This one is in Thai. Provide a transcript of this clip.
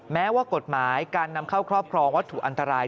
แม้ว่ากฎหมายการนำเข้าครอบครองวัตถุอันตราย